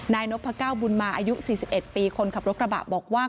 นายนพก้าวบุญมาอายุ๔๑ปีคนขับรถกระบะบอกว่า